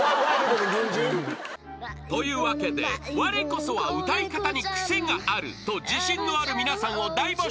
［というわけでわれこそは歌い方にクセがあると自信のある皆さんを大募集］